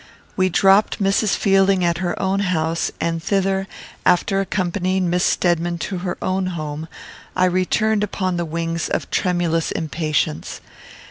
We dropped Mrs. Fielding at her own house, and thither, after accompanying Miss Stedman to her own home, I returned upon the wings of tremulous impatience.